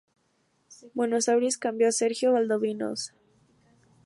Buenos Aires cambió a Sergio Valdovinos.